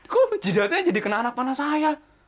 kok jidatnya jadi kena anak panas saya